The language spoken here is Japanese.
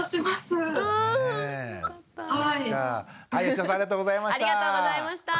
吉田さんありがとうございました。